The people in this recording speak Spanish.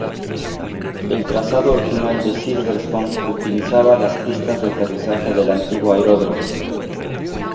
El trazado original de Silverstone utilizaba las pistas de aterrizaje del antiguo aeródromo.